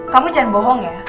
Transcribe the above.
kamu jangan bohong ya